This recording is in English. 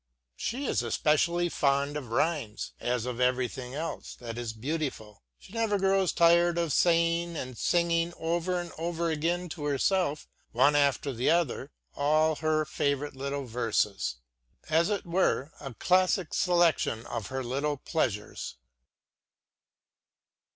She is especially fond of rhymes, as of everything else that is beautiful; she never grows tired of saying and singing over and over again to herself, one after the other, all her favorite little verses as it were, a classic selection of her little pleasures.